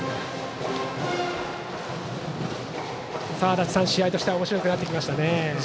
足達さん、試合としてはおもしろくなってきましたね。